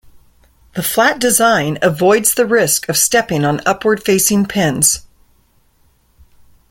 The flat design avoids the risk of stepping on upward-facing pins.